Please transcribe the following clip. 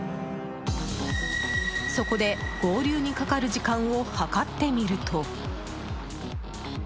そこで合流にかかる時間を計ってみると。